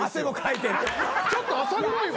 ちょっと浅黒いわ。